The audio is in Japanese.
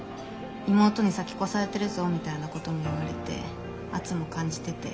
「妹に先越されてるぞ」みたいなことも言われて圧も感じてて。